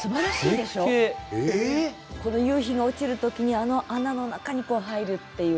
この夕日が落ちるときにあの穴の中に入るっていう。